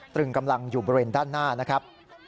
ตรึงกำลังอยู่บริเวณด้านหน้านะครับ